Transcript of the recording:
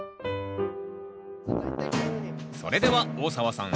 それでは大沢さん